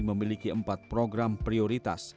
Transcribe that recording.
memiliki empat program prioritas